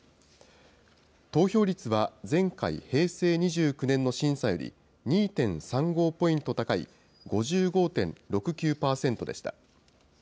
投票率は、前回・平成２９年の審査より２．３５ポイント高い、５５．６９％でした。